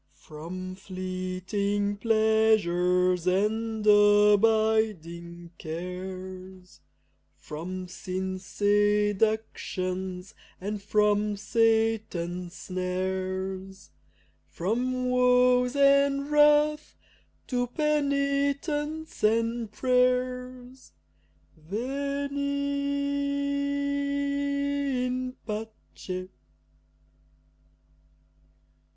From fleeting pleasures and abiding cares, From sin's seductions and from Satan's snares, From woes and wrath to penitence and prayers, Veni in pace!